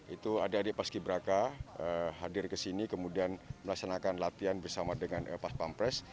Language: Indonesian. itu adik adik paski braka hadir ke sini kemudian melaksanakan latihan bersama dengan pas pampres